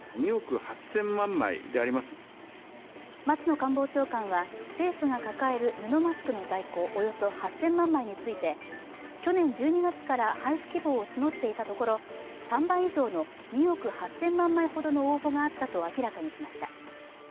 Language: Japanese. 松野官房長官は、政府が抱える布マスクの在庫、およそ８０００万枚について、去年１２月から配布希望を募っていたところ３倍以上の２億８０００万枚ほどの応募があったと明らかにしました。